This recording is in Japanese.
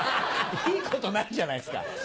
いいことないじゃないっすか！